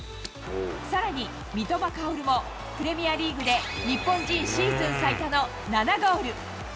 さらに、三笘薫も、プレミアリーグで日本人シーズン最多の７ゴール。